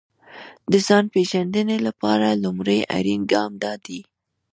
د ځان پېژندنې لپاره لومړی اړين ګام دا دی.